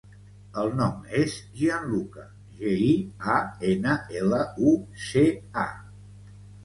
El nom és Gianluca: ge, i, a, ena, ela, u, ce, a.